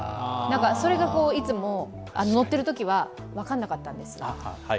それがいつも、乗っているときは分からなかったんです。